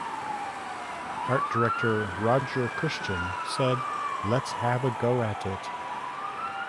Art director Roger Christian said, Let's have a go at it.